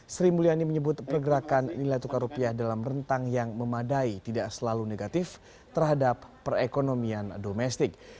sri mulyani menyebut pergerakan nilai tukar rupiah dalam rentang yang memadai tidak selalu negatif terhadap perekonomian domestik